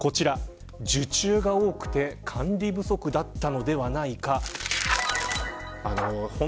受注が多くて管理不足だったのではないか。